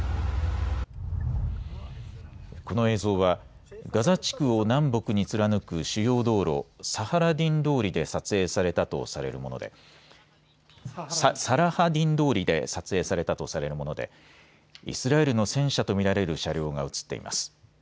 この映像はガザ地区を南北に貫く主要道路、サラハディン通りで撮影されたとされるものでイスラエルの戦車と見られる車両が写っています。